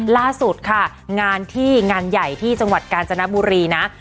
ล่าสุดค่ะงานที่งานใหญ่ที่จังหวัดกาญจนบุรีนะ